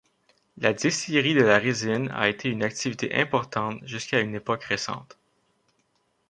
La distillerie de la résine a été une activité importante jusqu'à une époque récente.